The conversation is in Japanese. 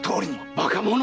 バカ者！